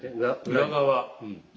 裏側。